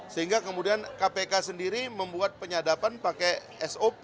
sehingga kemudian kpk sendiri membuat penyadapan pakai sop